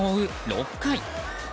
６回。